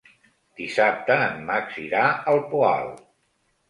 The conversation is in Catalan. Dissabte en Max irà al Poal.